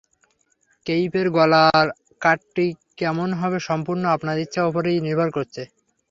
কেইপের গলার কাটটি কেমন হবে সম্পূর্ণ আপনার ইচ্ছার ওপরেই নির্ভর করছে।